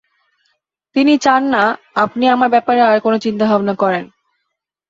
তিনি চান না, আপনি আমার ব্যাপারে আর কোনো চিন্তাভাবনা করেন।